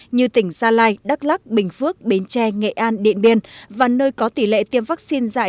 như tỉnh gia lai đắk lắc bình phước bến tre nghệ an điện biên và nơi có tỷ lệ tiêm vaccine dạy